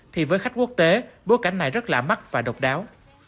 thì với khách quốc tế bối cảnh này rất là mắc và độc đáo